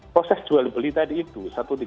proses jual beli tadi itu